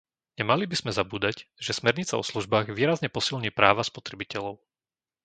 Nemali by sme zabúdať, že smernica o službách výrazne posilní práva spotrebiteľov.